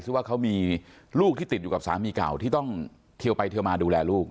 ซึ่งว่าเขามีลูกที่ติดอยู่กับสามีเก่าที่ต้องเทียวไปเทียวมาดูแลลูก